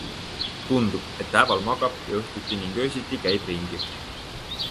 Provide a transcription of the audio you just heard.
Tundub, et päeval magab ja õhtuti ning öösiti käib ringi.